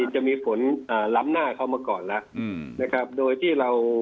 จะมีฝนอ่าล้ำหน้าเข้ามาก่อนแล้วอืมนะครับโดยที่เรา